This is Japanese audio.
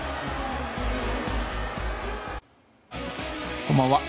こんばんは。